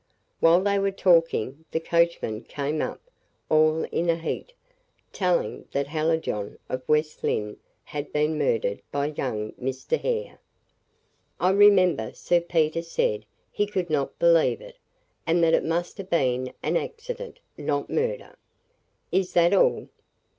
While they were talking, the coachman came up, all in a heat, telling that Hallijohn, of West Lynne, had been murdered by young Mr. Hare. I remember Sir Peter said he could not believe it; and that it must have been an accident, not murder." "Is that all?"